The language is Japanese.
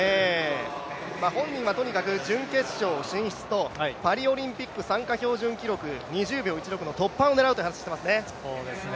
本人はとにかく準決勝進出とパリオリンピック参加標準記録２０秒１６の突破を狙うという話をしていますね。